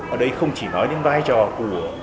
ở đây không chỉ nói đến vai trò của